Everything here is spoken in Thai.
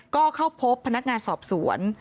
ก็เข้าพบพนักงานสอบสวน